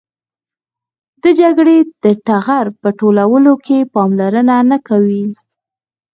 د جګړې د ټغر په ټولولو کې پاملرنه نه کوي.